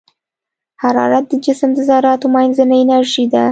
حرارت د جسم د ذراتو منځنۍ انرژي ده.